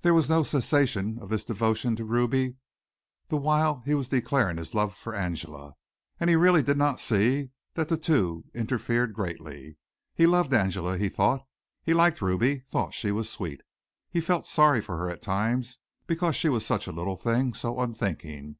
There was no cessation of this devotion to Ruby the while he was declaring his love for Angela, and he really did not see that the two interfered greatly. He loved Angela, he thought. He liked Ruby, thought she was sweet. He felt sorry for her at times because she was such a little thing, so unthinking.